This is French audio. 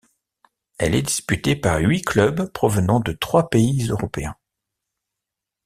Elle est disputée par huit clubs provenant de trois pays européens.